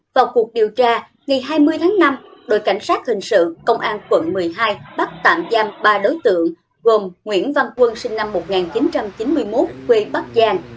vào cuộc điều tra ngày hai mươi tháng năm đội cảnh sát hình sự công an quận một mươi hai bắt tạm giam ba đối tượng gồm nguyễn văn quân sinh năm một nghìn chín trăm chín mươi một quê bắc giang